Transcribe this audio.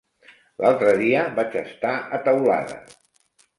L'altre dia vaig estar a Teulada.